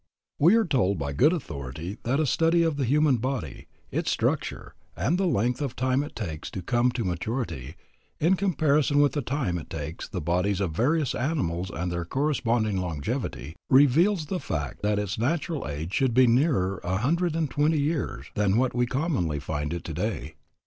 We are told by good authority that a study of the human body, its structure, and the length of time it takes it to come to maturity, in comparison with the time it takes the bodies of various animals and their corresponding longevity, reveals the fact that its natural age should be nearer a hundred and twenty years than what we commonly find it today.